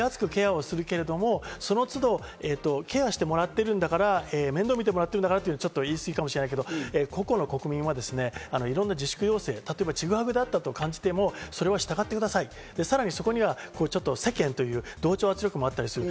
国が手厚くケアするけれども、その都度、ケアしてもらってるんだから面倒みてもらってるんだからというと言い過ぎかもしれないけど、個々の国民はいろんな自粛要請、例えばちぐはぐだったと感じても、それは従ってください、さらにそこには世間という同調圧力もあったりする。